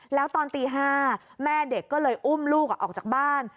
แล้วตอนตี๕แม่เด็กก็เลยอุ้มลูกออกจากบ้าน